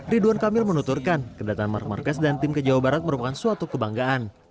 ridwan kamil menuturkan kedatangan mark marquez dan tim ke jawa barat merupakan suatu kebanggaan